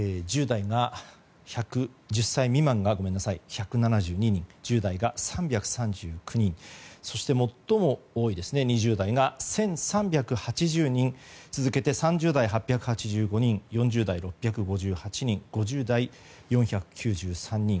１０歳未満が１７２人１０代が３３９人そして最も多い２０代が１３８０人続けて３０代が８８５人４０代、６５８人５０代、４９３人。